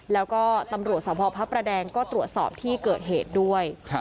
แล้วก็ตำรวจสพพระประแดงก็ตรวจสอบที่เกิดเหตุด้วย